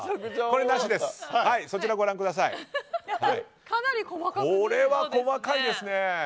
これはかなり細かいですね。